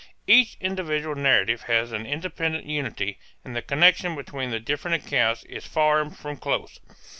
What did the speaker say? Each individual narrative has an independent unity and the connection between the different accounts is far from close.